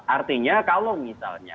artinya kalau misalnya